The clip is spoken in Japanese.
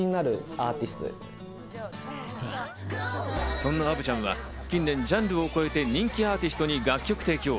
そんなアヴちゃんは近年、ジャンルを超えて、人気アーティストに楽曲提供。